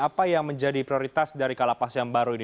apa yang menjadi prioritas dari kalapas yang baru ini